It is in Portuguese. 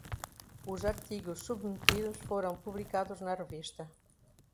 Os artigos submetidos foram publicados na revista